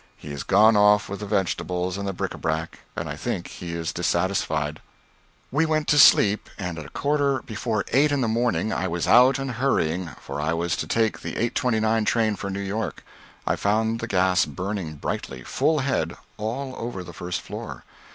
He has gone off with the vegetables and the bric à brac, and I think he is dissatisfied." We went to sleep, and at a quarter before eight in the morning I was out, and hurrying, for I was to take the 8.29 train for New York. I found the gas burning brightly full head all over the first floor.